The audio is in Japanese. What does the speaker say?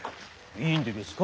いいんでげすか？